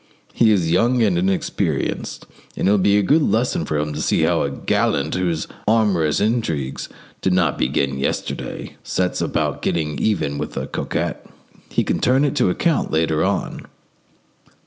He is young and inexperienced, and it will be a good lesson for him to see how a gallant whose amorous intrigues did not begin yesterday sets about getting even with a coquette. He can turn it to account later on.